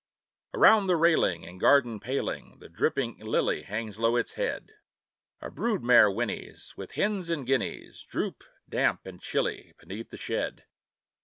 Around the railing and garden paling The dripping lily hangs low its head: A brood mare whinnies; and hens and guineas Droop, damp and chilly, beneath the shed.